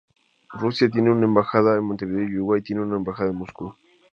Rusia tiene una embajada en Montevideo y Uruguay tiene una embajada en Moscú.